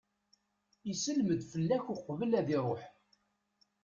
Isellem-d fell-ak uqbel ad iruḥ.